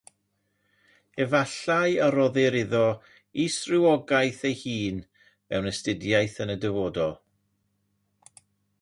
Efallai y rhoddir iddo isrywogaeth ei hun mewn astudiaeth yn y dyfodol.